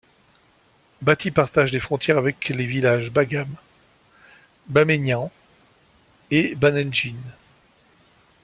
Bati partage les frontières avec les villages Bagam, Bamenyam et Bamendjing.